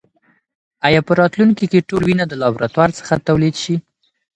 ایا په راتلونکې کې ټول وینه د لابراتوار څخه تولید شي؟